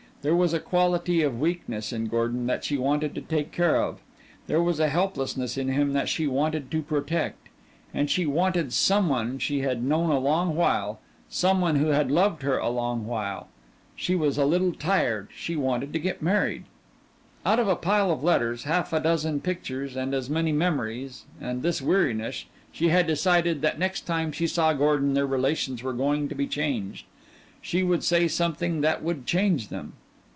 There was a quality of weakness in Gordon that she wanted to take care of; there was a helplessness in him that she wanted to protect. And she wanted someone she had known a long while, someone who had loved her a long while. She was a little tired; she wanted to get married. Out of a pile of letters, half a dozen pictures and as many memories, and this weariness, she had decided that next time she saw Gordon their relations were going to be changed. She would say something that would change them.